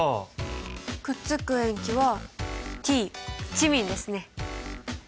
くっつく塩基はＴチミンですね。